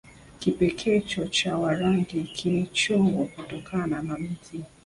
Kipekecho cha Warangi kilichongwa kutokana na mti